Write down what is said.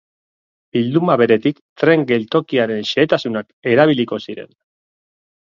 Bilduma beretik, tren geltokiaren xehetasunak erabiliko ziren.